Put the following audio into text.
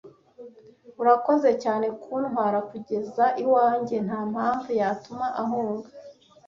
Urakoze cyane kuntwara kugeza iwanjye. Nta mpamvu yatuma ahunga.